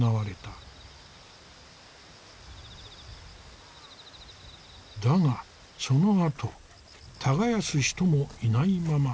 だがそのあと耕す人もいないまま荒れ地になった。